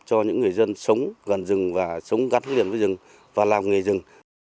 cho những người dân sống gần rừng và sống gắn liền với rừng và làm nghề rừng